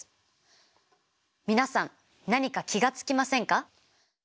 皆さん何か気が付きませんか？